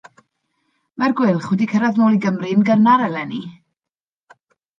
Mae'r gweilch wedi cyrraedd nôl i Gymru yn gynnar eleni.